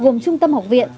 gồm trung tâm học viện